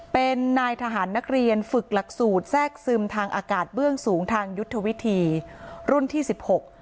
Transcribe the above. เป็นนายทหารนักเรียนฝึกหลักสูตรแทรกซึมทางอากาศเบื้องสูงทางยุทธวิธีรุ่นที่สิบหก